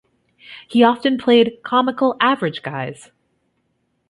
He often played comical "Average Guys".